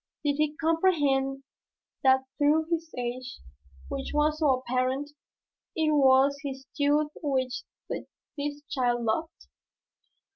Did he comprehend that through his age which was so apparent, it was his youth which this child loved?